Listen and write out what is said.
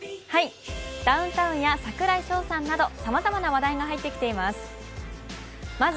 ダウンタウンや櫻井翔さんなどさまざまな話題が入ってきています。